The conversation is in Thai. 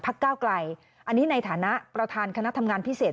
ก้าวไกลอันนี้ในฐานะประธานคณะทำงานพิเศษ